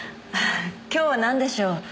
今日はなんでしょう？